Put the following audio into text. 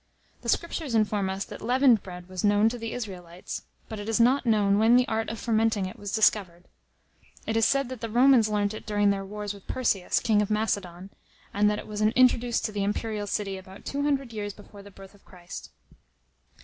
The Scriptures inform us that leavened bread was known to the Israelites, but it is not known when the art of fermenting it was discovered. It is said that the Romans learnt it during their wars with Perseus, king of Macedon, and that it was introduced to the "imperial city" about 200 years before the birth of Christ.